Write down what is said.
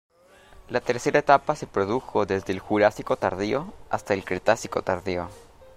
La tercera etapa se produjo desde el Jurásico Tardío hasta el Cretácico Tardío.